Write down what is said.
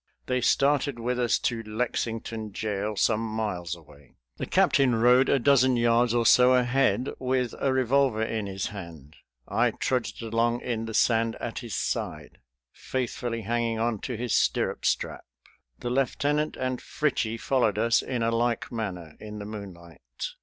They started with us to Lexington jail, some miles away. The captain rode a dozen yards or so ahead, with a revolver in his hand. I trudged along in the sand at his side, faithfully hanging on to his stirrup strap. The lieutenant and Fritchie followed us in a like manner in the moonlight.